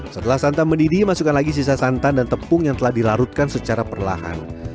setelah santan mendidih masukkan lagi sisa santan dan tepung yang telah dilarutkan secara perlahan